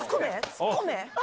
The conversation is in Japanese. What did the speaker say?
ツッコめ？